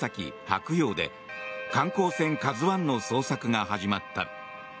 「はくよう」で観光船「ＫＡＺＵ１」の捜索が始まった。